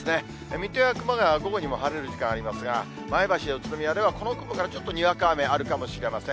水戸や熊谷は午後にも晴れる時間ありますが、前橋、宇都宮ではこの雲からちょっとにわか雨あるかもしれません。